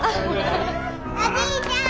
おじいちゃん！